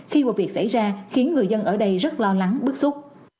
khi vụ việc xảy ra khiến người dân ở đây rất lo lắng bức xúc